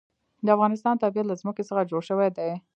د افغانستان طبیعت له ځمکه څخه جوړ شوی دی.